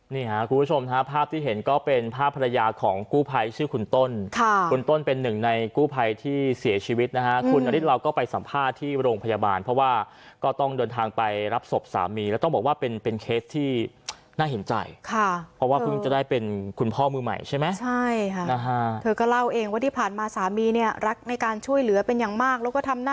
นี่ค่ะคุณผู้ชมภาพที่เห็นก็เป็นภาพภรรยาของกู้ภัยชื่อคุณต้นค่ะคุณต้นเป็นหนึ่งในกู้ภัยที่เสียชีวิตนะคะคุณอดิทเราก็ไปสัมภาษณ์ที่โรงพยาบาลเพราะว่าก็ต้องเดินทางไปรับศพสามีแล้วต้องบอกว่าเป็นเป็นเคสที่น่าเห็นใจค่ะเพราะว่าคุณจะได้เป็นคุณพ่อมือใหม่ใช่ไหมใช่ค่ะนะคะเธอก็เล่า